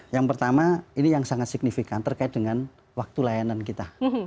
yang pertama ini yang sangat signifikan terkait dengan waktu layanan kita